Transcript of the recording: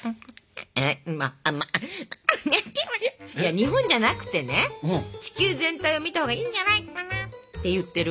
日本じゃなくてね地球全体を見たほうがいいんじゃないかな？って言ってる。